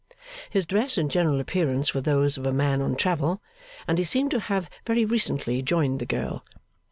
His dress and general appearance were those of a man on travel, and he seemed to have very recently joined the girl.